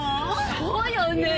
そうよねぇ！